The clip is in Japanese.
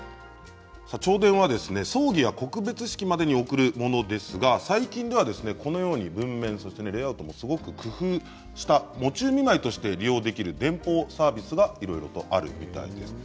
葬儀や告別式までに送るものですが最近では文面レイアウトもすごく工夫した喪中見舞いとして利用できる電報サービスがいろいろとあるみたいです。